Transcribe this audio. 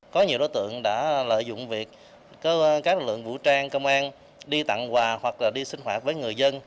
có nhiều đối tượng đã lợi dụng việc các lực lượng vũ trang công an đi tặng quà hoặc là đi sinh hoạt với người dân